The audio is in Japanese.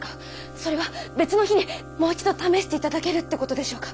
それは別の日にもう一度試していただけるってことでしょうか？